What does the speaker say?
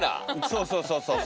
そうそうそうそう。